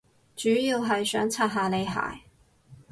主要係想刷下你鞋